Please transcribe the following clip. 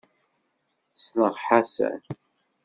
Ssneɣ Ḥasan.